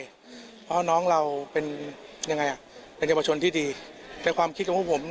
เพราะน้องเราเป็นยังไงอ่ะเป็นเยาวชนที่ดีในความคิดของพวกผม